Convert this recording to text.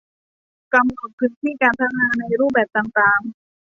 กำหนดพื้นที่การพัฒนาในรูปแบบต่างต่าง